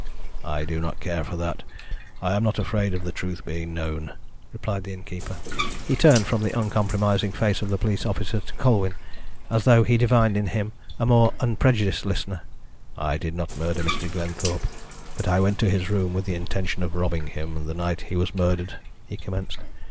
"I do not care for that I am not afraid of the truth being known," replied the innkeeper. He turned from the uncompromising face of the police officer to Colwyn, as though he divined in him a more unprejudiced listener. "I did not murder Mr. Glenthorpe, but I went to his room with the intention of robbing him the night he was murdered," he commenced.